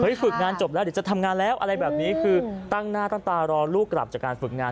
ฝึกงานจบแล้วเดี๋ยวจะทำงานแล้วอะไรแบบนี้คือตั้งหน้าตั้งตารอลูกกลับจากการฝึกงาน